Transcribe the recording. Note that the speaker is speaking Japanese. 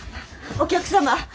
お客様。